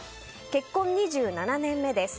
結婚２７年目です。